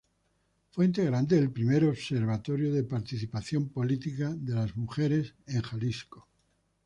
Fue integrante del primer "Observatorio de Participación Política de las mujeres" en Jalisco.